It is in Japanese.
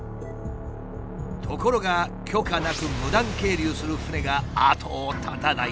ところが許可なく無断係留する船が後を絶たないという。